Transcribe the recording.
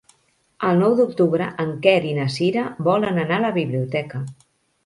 El nou d'octubre en Quer i na Cira volen anar a la biblioteca.